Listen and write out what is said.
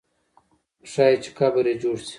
ښایي چې قبر یې جوړ سي.